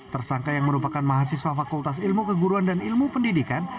tersangka yang merupakan mahasiswa fakultas ilmu keguruan dan ilmu pendidikan